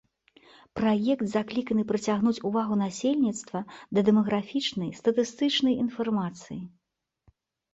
Праект закліканы прыцягнуць увагу насельніцтва да дэмаграфічнай статыстычнай інфармацыі.